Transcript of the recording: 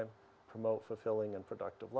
memperoleh kehidupan yang memenuhi dan produktif